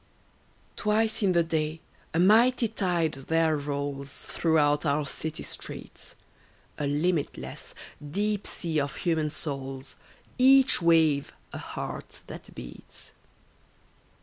Twice in the day a mighty tide there rolls Throughout our city streets, A limitless, deep sea of human souls, Each wave, a heart that beats.